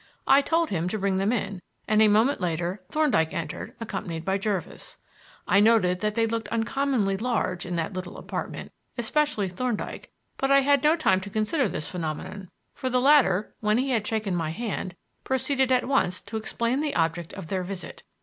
I told him to bring them in, and a moment later Thorndyke entered, accompanied by Jervis. I noted that they looked uncommonly large in that little apartment, especially Thorndyke, but I had no time to consider this phenomenon, for the latter, when he had shaken my hand, proceeded at once to explain the object of their visit.